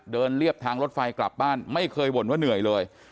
เรียบทางรถไฟกลับบ้านไม่เคยบ่นว่าเหนื่อยเลย